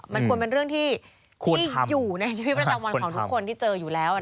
มันควรเป็นเรื่องที่อยู่ในชีวิตประจำวันของทุกคนที่เจออยู่แล้ว